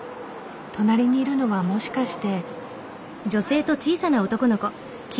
隣にいるのはもしかして。